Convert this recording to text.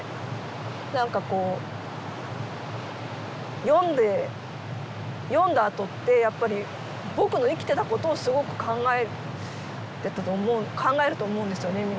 何かこう読んで読んだあとってやっぱり「ぼく」の生きてたことをすごく考えると思うんですよね